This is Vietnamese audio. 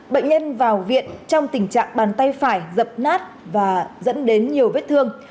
bệnh nhân vào viện trong tình trạng bàn tay phải dập nát và dẫn đến nhiều vết thương